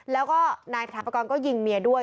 แล้วก็นายถาปกรณ์ก็ยิงเมียด้วย